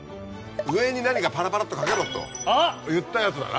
上に何かパラパラっとかけろと言ったやつだな。